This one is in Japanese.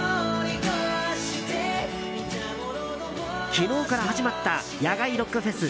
昨日から始まった野外ロックフェス